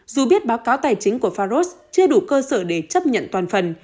dù biết báo cáo tài chính của faros chưa đủ cơ sở để chấp nhận toàn phần